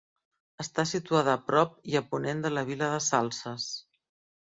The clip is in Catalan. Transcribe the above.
Està situada a prop i a ponent de la vila de Salses.